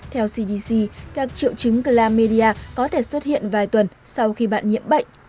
theo cdc các triệu chứng clamedia có thể xuất hiện vài tuần sau khi bạn nhiễm bệnh